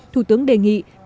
thủ tướng đề nghị